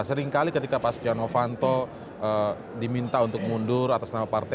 seringkali ketika pak stiano fanto diminta untuk mundur atas nama partai